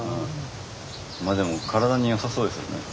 まあでも体によさそうですよね。